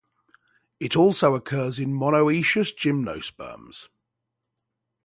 It also occurs in monoecious gymnosperms.